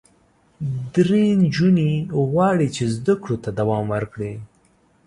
ډېری نجونې غواړي چې زده کړو ته دوام ورکړي.